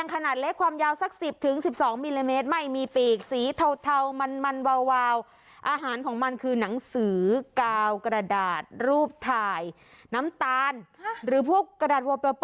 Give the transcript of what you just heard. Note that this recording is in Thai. กระดาษวอลเปลเปอร์ค่ะ